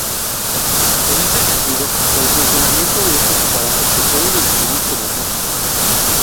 En ese sentido, el funcionamiento de estos aparatos se puede describir como mágico.